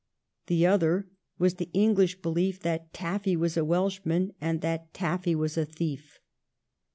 The other was the English belief that Tafiy was a Welshman and that Tafiy was a thief.'